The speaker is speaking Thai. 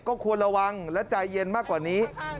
ก็ควรระวังและใจเย็นมากกว่านี้